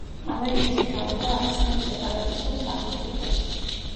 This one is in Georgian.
ამერიკის მთავრობა არ ცნობს სეპარატისტულ „სახელმწიფოს“.